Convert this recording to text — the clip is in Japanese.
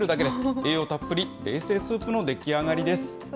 栄養たっぷり冷製スープの出来上がりです。